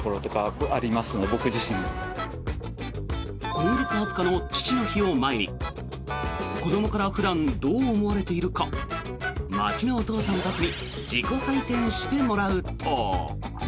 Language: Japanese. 今月２０日の父の日を前に子どもから普段どう思われているか街のお父さんたちに自己採点してもらうと。